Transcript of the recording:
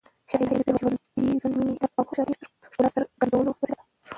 شاعري د ژوند، مینې، درد او خوشحالیو د ښکلا څرګندولو وسیله ده.